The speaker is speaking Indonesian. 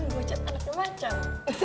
bocan anaknya macam